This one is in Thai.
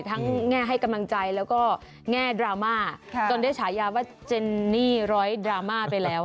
แง่ให้กำลังใจแล้วก็แง่ดราม่าจนได้ฉายาว่าเจนนี่ร้อยดราม่าไปแล้ว